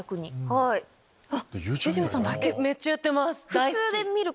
はいめっちゃやってます。